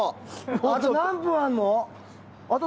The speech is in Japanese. あと何分あるの？